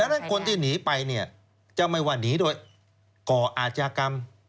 ดังนั้นคนที่หนีไปจะไม่ว่าหนีโดยก่ออาจากรรม